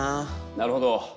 なるほど。